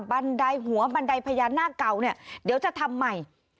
บันไดหัวบันไดพญานาคเก่าเนี่ยเดี๋ยวจะทำใหม่